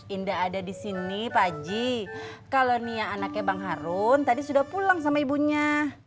indah ada di sini pak ji kalau nih ya anaknya bang harun tadi sudah pulang sama ibunya